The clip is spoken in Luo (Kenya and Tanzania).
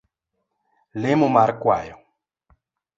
Lemo mar kwayo